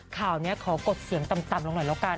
ข่าวนี้ขอกดเสียงต่ำลงหน่อยแล้วกัน